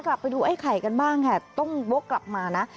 กลับไปดูไอ้ไข่กันบ้างค่ะต้องวกกลับมานะ